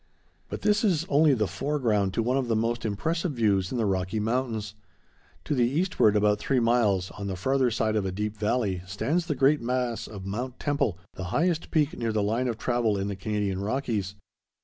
But this is only the foreground to one of the most impressive views in the Rocky Mountains. To the eastward about three miles, on the farther side of a deep valley, stands the great mass of Mount Temple, the highest peak near the line of travel in the Canadian Rockies.